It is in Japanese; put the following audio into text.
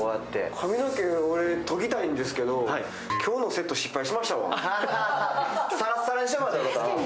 髪の毛、俺、とぎたいんですけど、今日のセット、失敗しましたわ。